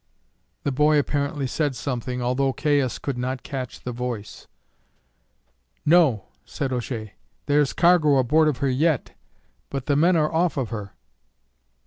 The boy apparently said something, although Caius could not catch the voice. "No," said O'Shea; "there's cargo aboard of her yit, but the men are off of her."